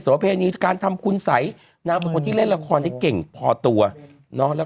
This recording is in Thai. สวเพนีการทำคุณใสนางเป็นคนที่เล่นละครที่เก่งพอตัวแล้ว